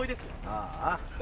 ああ。